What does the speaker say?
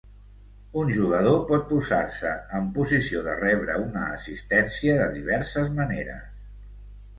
Un jugador pot posar-se en posició de rebre una assistència de diverses maneres.